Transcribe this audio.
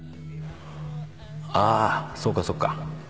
あそうかそうか